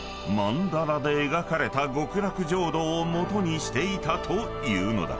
曼陀羅で描かれた極楽浄土を基にしていたというのだ］